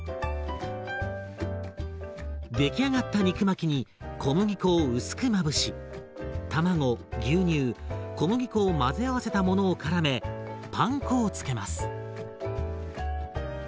出来上がった肉巻きに小麦粉を薄くまぶし卵牛乳小麦粉を混ぜ合わせたものをからめパン粉を付けます。